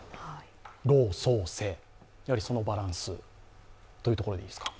老・荘・青、そのバランスというところでいいですか？